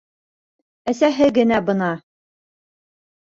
Әсәһе генә бына